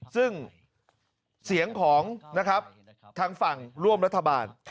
ซึ่งเสียงของนะครับทางฝั่งร่วมรัฐบาล